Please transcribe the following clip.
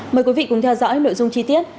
mời quý vị cùng theo dõi nội dung chi tiết